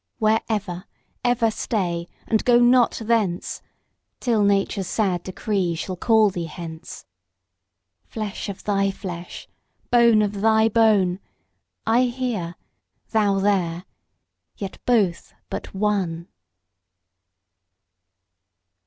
Where ever, ever stay, and go not thence, Till nature's sad decree shall call thee hence; Flesh of thy flesh, bone of thy bone, I here, thou there, yet both but one.